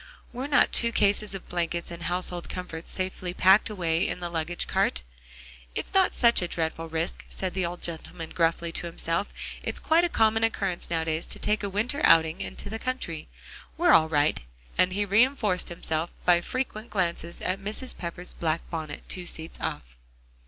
Were not two cases of blankets and household comforts safely packed away in the luggage car? "It's not such a dreadful risk," said the old gentleman gruffly to himself, "it's quite a common occurrence nowadays to take a winter outing in the country. We're all right," and he re enforced himself further by frequent glances at Mrs. Pepper's black bonnet, two seats off.